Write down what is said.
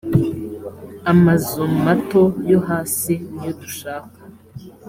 amazu mato yo hasi niyo dushaka